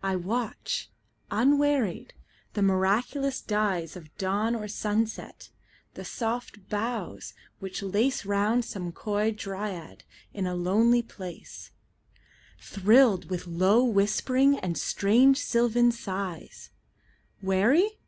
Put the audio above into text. I watch, unwearied, the miraculous dyesOf dawn or sunset; the soft boughs which laceRound some coy dryad in a lonely place, Thrilled with low whispering and strange sylvan sighs:Weary?